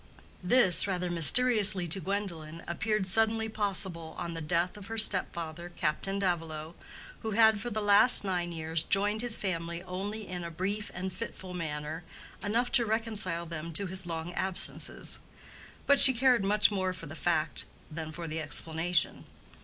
This, rather mysteriously to Gwendolen, appeared suddenly possible on the death of her step father, Captain Davilow, who had for the last nine years joined his family only in a brief and fitful manner, enough to reconcile them to his long absences; but she cared much more for the fact than for the explanation.